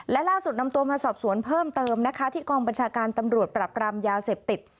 และล่าสุดนำตัวมาสอบสวนเพิ่มเติมนะคะที่กองบัญชาการตำรวจปรับกรามยาเสพติด